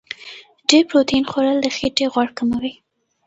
ډېر پروتین خوړل د خېټې غوړ کموي.